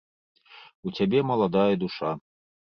У цябе маладая душа.